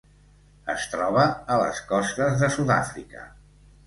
Es troba a les costes de Sud-àfrica.